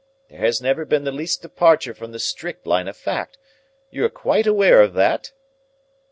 There has never been the least departure from the strict line of fact. You are quite aware of that?"